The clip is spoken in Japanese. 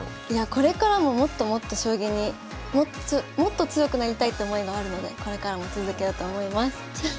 いやこれからももっともっと将棋にもっと強くなりたいって思いがあるのでこれからも続けようと思います。